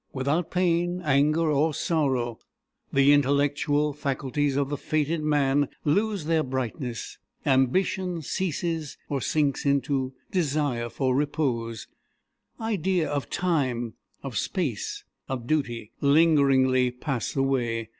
Without pain, anger, or sorrow, the intellectual faculties of the fated man lose their brightness. Ambition ceases, or sinks into desire for repose. Idea of time, of space, of duty, lingeringly pass away.